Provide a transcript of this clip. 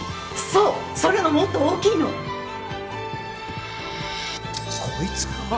そうそれのもっと大きいのこいつか？